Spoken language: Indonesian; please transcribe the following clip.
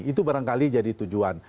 itu barangkali jadi tujuan